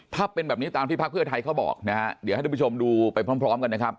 ถ้าเป็นแบบนี้ตามที่พักเพื่อไทยเขาบอกนะฮะเดี๋ยวให้ทุกผู้ชมดูไปพร้อมกันนะครับ